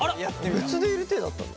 別でいる体だったんだ？